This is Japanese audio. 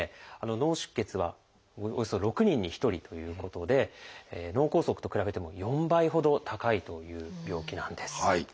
脳出血はおよそ６人に１人ということで脳梗塞と比べても４倍ほど高いという病気なんです。